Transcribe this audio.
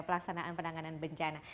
pelaksanaan penanganan bencana